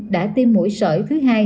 đã tiêm mũi sởi thứ hai